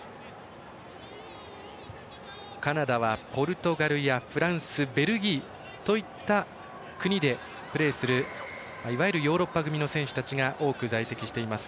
カナダはポルトガルやフランスベルギーといった国でプレーするいわゆるヨーロッパ組の選手たちが多く在籍しています。